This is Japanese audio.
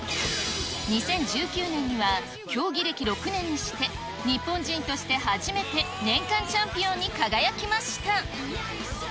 ２０１９年には、競技歴６年にして、日本人として初めて年間チャンピオンに輝きました。